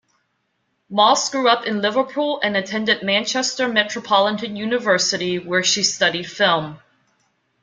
Moss grew up in Liverpool and attended Manchester Metropolitan University, where she studied film.